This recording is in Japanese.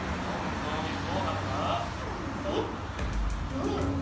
えどういうこと？